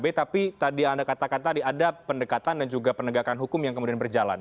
pada saat ini di kkp tapi tadi anda katakan tadi ada pendekatan dan juga penegakan hukum yang kemudian berjalan